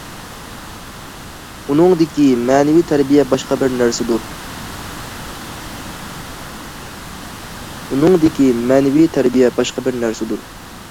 ئۇنىڭدىكى مەنىۋى تەربىيە باشقا بىر نەرسىدۇر.